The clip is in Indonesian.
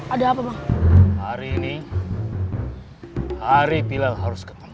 ada apa bang hari ini hari pilang harus ketemu